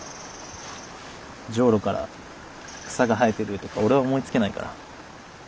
ジョウロから草が生えてるとか俺は思いつけないから。